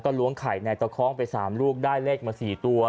ก็ล้วงไข่ในตะค้องไปสามลูกได้เลขมาสี่ตัว